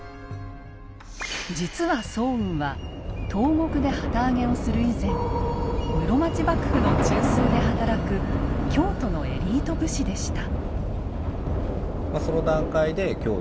実は早雲は東国で旗揚げをする以前室町幕府の中枢で働く京都のエリート武士でした。